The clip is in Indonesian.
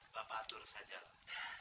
bapak atur saja lah